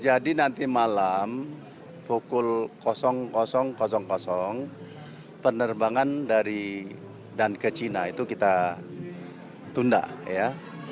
jadi nanti malam pukul penerbangan dari dan ke china itu kita tunda ya